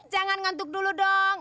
jangan ngantuk dulu dong